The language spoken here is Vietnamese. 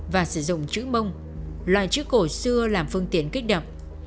và sử dụng chữ mông loài chữ cổ xưa làm phương tiện kích động